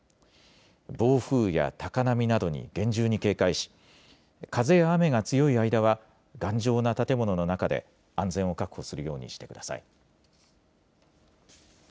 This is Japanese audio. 暴風や高波などに厳重に警戒し風や雨が強い間は頑丈な建物の中で安全を確保するようにしてください。